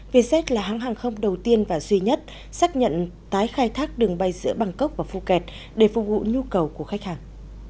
vietjet là hãng hàng không đầu tiên và duy nhất xác nhận tái khai thác đường bay giữa bangkok và phuket để phục vụ nhu cầu của khách hàng